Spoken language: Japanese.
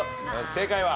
正解は？